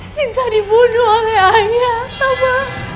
sinta dibunuh oleh ayah papa